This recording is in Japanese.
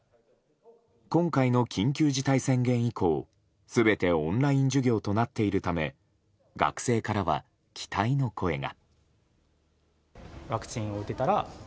今回の緊急事態宣言以降全てオンライン授業となっているため学生からは、期待の声が。